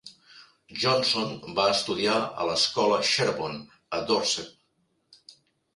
Johnson va estudiar a la escola Sherbone, a Dorset.